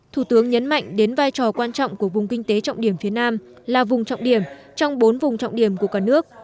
thủ tướng nhấn mạnh đến vai trò quan trọng của vùng kinh tế trọng điểm phía nam là vùng trọng điểm trong bốn vùng trọng điểm của cả nước